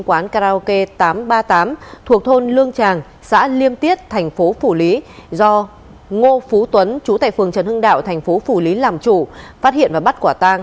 quán karaoke tám trăm ba mươi tám thuộc thôn lương tràng